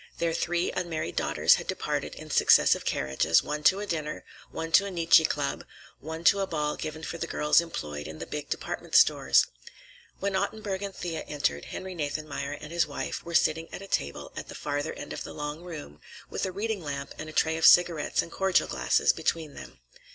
Their three unmarried daughters had departed in successive carriages, one to a dinner, one to a Nietszche club, one to a ball given for the girls employed in the big department stores. When Ottenburg and Thea entered, Henry Nathanmeyer and his wife were sitting at a table at the farther end of the long room, with a reading lamp and a tray of cigarettes and cordial glasses between them.